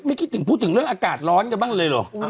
คิดถึงพูดถึงเรื่องอากาศร้อนกันบ้างเลยเหรอ